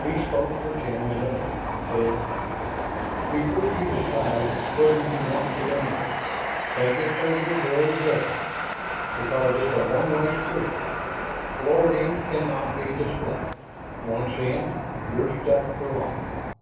He spoke for ten minutes. Then: "Before you decide whether you want to or not, think it over very carefully, because it's a one way street. Fluorine can not be displaced. Once in, you're stuck for life.